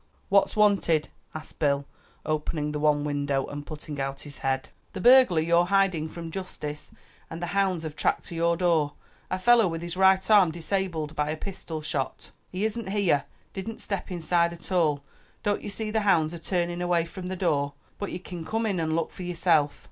"What's wanted?" asked Bill, opening the one window and putting out his head. "The burglar you're hiding from justice and the hounds have tracked to your door. A fellow with his right arm disabled by a pistol shot." "He isn't here, didn't step inside at all; don't ye see the hounds are turning away from the door? But you kin come in an' look for yourself."